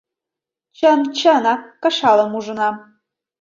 Чын... чынак... кышалым ужынам.